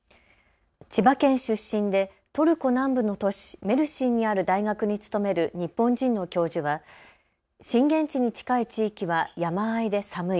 千葉県出身でトルコ南部の都市、メルシンにある大学に勤める日本人の教授は震源地に近い地域は山あいで寒い。